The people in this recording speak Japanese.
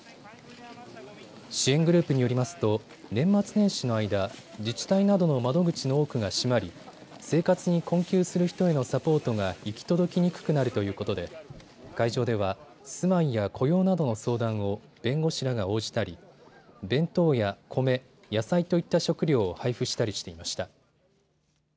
支援グループによりますと年末年始の間自治体などの窓口の多くが閉まり生活に困窮する人々へのサポートが行き届きにくくなるということで会場では住まいや雇用などの相談を弁護士らが応じたり弁当や米野菜といった食料を配布したりしていました。